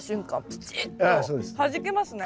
プチッとはじけますね。